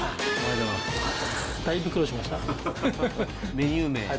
メニュー名は？